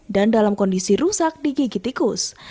dan dalam kondisi rusak di gigi tikus